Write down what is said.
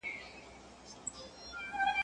ستر گه په بڼو نه درنېږي.